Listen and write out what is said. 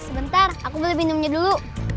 sebentar aku boleh minumnya dulu